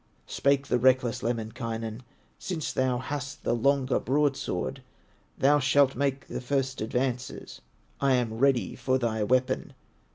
Spake the reckless Lemminkainen. "Since thou hast the longer broadsword, Thou shalt make the first advances, I am ready for thy weapon."